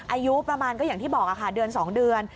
อายุประมาณก็อย่างที่บอกค่ะเดือน๒เดือน